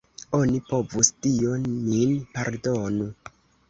Oni povus, Dio min pardonu!